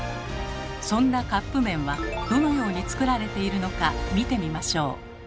そんなカップ麺はどのように作られているのか見てみましょう。